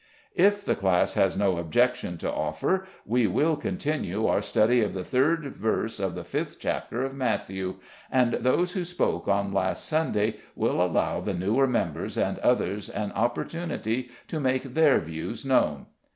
"If the class has no objection to offer, we will continue our study of the third verse of the fifth chapter of Matthew, and those who spoke on last Sunday will allow the newer members and others an opportunity to make their views known."